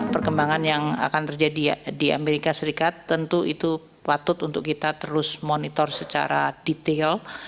perkembangan yang akan terjadi di amerika serikat tentu itu patut untuk kita terus monitor secara detail